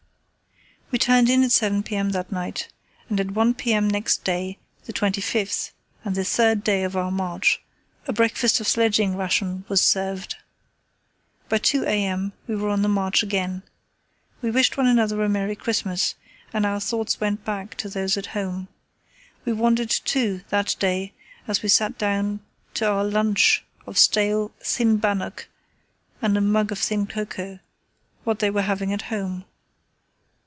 We turned in at 7 p.m. that night, and at 1 a.m. next day, the 25th, and the third day of our march, a breakfast of sledging ration was served. By 2 a.m. we were on the march again. We wished one another a merry Christmas, and our thoughts went back to those at home. We wondered, too, that day, as we sat down to our "lunch" of stale, thin bannock and a mug of thin cocoa, what they were having at home.